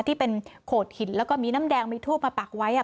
ที่เป็นโขดหินแล้วก็มีน้ำแดงมีทูบมาปักไว้